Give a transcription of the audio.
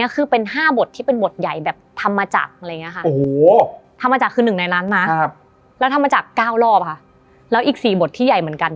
คือหนึ่งในนั้นนะครับแล้วทำมาจากเก้ารอบค่ะแล้วอีกสี่บทที่ใหญ่เหมือนกัน